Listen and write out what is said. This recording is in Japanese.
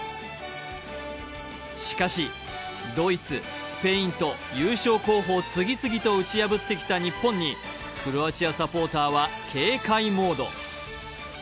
しかし、ドイツ、スペインと優勝候補を次々と打ち破ってきた日本にクロアチアサポーターは警戒モード。